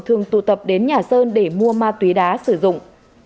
thường tụ tập đến nhà sơn để mua ma túy đá sử dụng